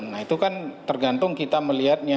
nah itu kan tergantung kita melihatnya